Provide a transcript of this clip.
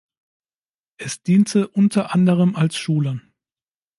Es diente unter anderem als Schule.